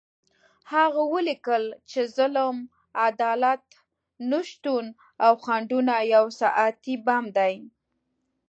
هغه ولیکل چې ظلم، عدالت نشتون او خنډونه یو ساعتي بم دی.